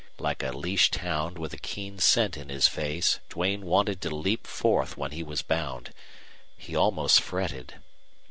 Like a leashed hound with a keen scent in his face Duane wanted to leap forth when he was bound. He almost fretted.